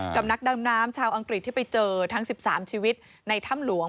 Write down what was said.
นักดำน้ำชาวอังกฤษที่ไปเจอทั้ง๑๓ชีวิตในถ้ำหลวง